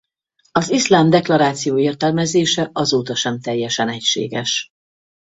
Az Iszlám deklaráció értelmezése azóta sem teljesen egységes.